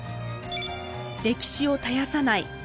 歴史を絶やさない。